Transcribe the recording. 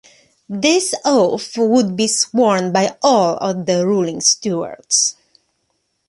This oath would be sworn by all of the Ruling Stewards.